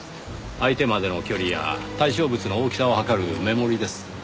相手までの距離や対象物の大きさを測る目盛りです。